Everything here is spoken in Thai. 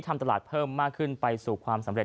ทำตลาดเพิ่มมากขึ้นไปสู่ความสำเร็